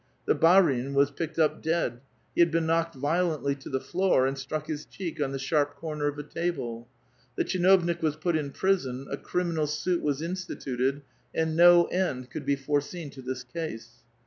The bar in was picked up dead ; he "*cl been knocked violently to the floor, and struck his cheek ^^^ the sharp corner of a table. The tdhhiovnik was put in pj*i8on, a criminal suit was instituted, and no end could be foreseen to this case.